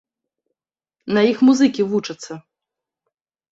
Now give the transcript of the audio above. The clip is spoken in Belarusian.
На іх музыкі вучацца!